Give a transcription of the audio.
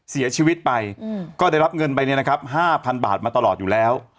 เสียชีวิตไปก็ได้รับเงินไป๕๐๐๐บาทมาตลอดอยู่แล้ว